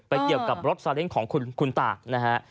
ไปเกี่ยวกับรถสาเลนส์ของคุณตานะฮะ